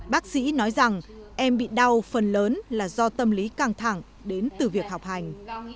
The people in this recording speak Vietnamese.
bác sĩ nói rằng em bị đau phần lớn là do tâm lý căng thẳng đến từ việc học hành